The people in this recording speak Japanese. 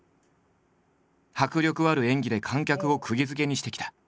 迫力ある演技で観客をくぎづけにしてきた。